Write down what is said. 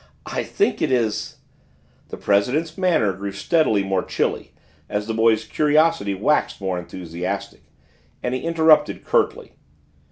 I think it is " The president's manner grew steadily more chilly as the boy's curiosity waxed more enthusiastic, and he interrupted curtly.